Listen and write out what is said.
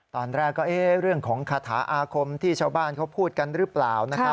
ตอนแรกก็เอ๊ะเรื่องของคาถาอาคมที่ชาวบ้านเขาพูดกันหรือเปล่านะครับ